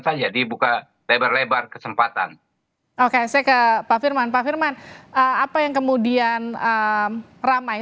saja dibuka lebar lebar kesempatan oke saya ke pak firman pak firman apa yang kemudian ramai